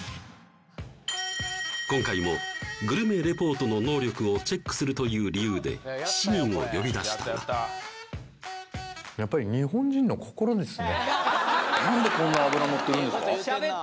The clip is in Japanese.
今回もグルメレポートの能力をチェックするという理由で７人を呼び出したがなんでこんな脂乗ってるんですか？